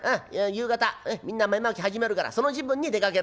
夕方みんな豆まき始めるからその時分に出かけるんだ。